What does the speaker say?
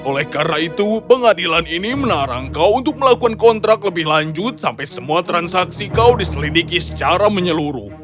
oleh karena itu pengadilan ini menarang kau untuk melakukan kontrak lebih lanjut sampai semua transaksi kau diselidiki secara menyeluruh